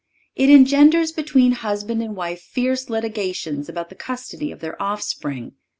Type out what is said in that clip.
It engenders between husband and wife fierce litigations about the custody of their offspring.